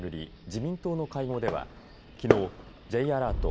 自民党の会合ではきのうＪアラート